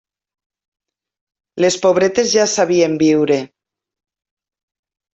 Les pobretes ja sabien viure.